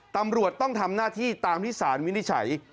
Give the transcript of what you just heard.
ตำรวจต้องทำหน้าที่ตามที่สารวินิจฉัย